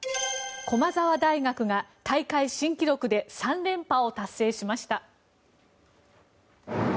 駒澤大学が大会新記録で３連覇を達成しました。